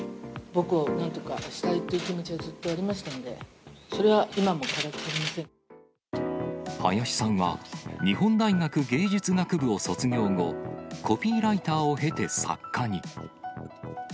母校を何とかしたいっていう気持ちはずっとありましたので、林さんは、日本大学芸術学部を卒業後、コピーライターを経て作家に。